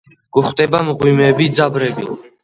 გვხვდება მღვიმეები, ძაბრები.